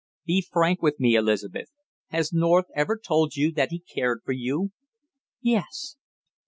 "Be frank with me, Elizabeth. Has North ever told you that he cared for you?" "Yes."